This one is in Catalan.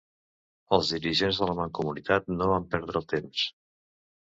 Els dirigents de la Mancomunitat no van perdre el temps.